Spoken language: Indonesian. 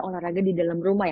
olahraga di dalam rumah ya